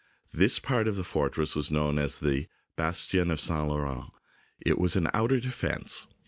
This part of the fortress was known as the " Bastion of St. Laurent." It was an outer defence.